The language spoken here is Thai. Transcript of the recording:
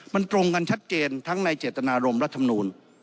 มันตรงกันชัดเจนทั้งในเจตนารมรัฐมนูล